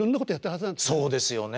そうですよね。